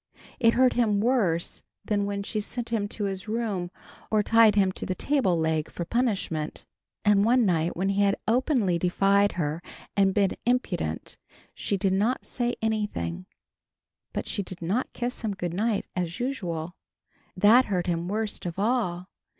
It hurt him worse than when she sent him to his room or tied him to the table leg for punishment. And one night when he had openly defied her and been impudent, she did not say anything, but she did not kiss him good night as usual. That hurt him worst of all.